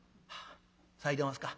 「さいでおますか。